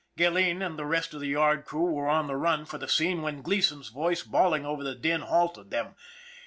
Gilleen and the rest of the yard crew were on the run for the scene when Gleason's voice, bawling over the din, halted them.